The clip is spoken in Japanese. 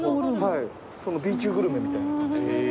Ｂ級グルメみたいな感じで。